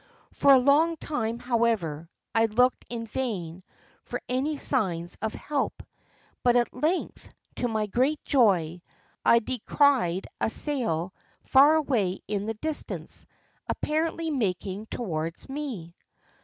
For a long time, however, I looked in vain for any signs of help; but at length, to my great joy, I descried a sail far away in the distance, apparently making towards me.